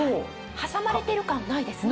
挟まれてる感ないですね。